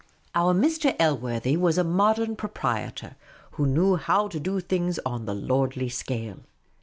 Our Mr. Elworthy was a modern proprietor, who knew how to do things on the lordly scale.